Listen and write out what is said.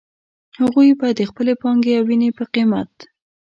هغوی به د خپلې پانګې او وينې په قيمت.